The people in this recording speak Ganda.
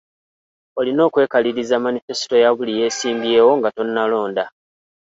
Olina okwekaliriza manifesito ya buli yeesimbyewo nga tonnalonda.